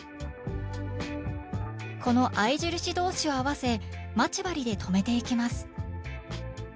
この合い印同士を合わせ待ち針で留めていきます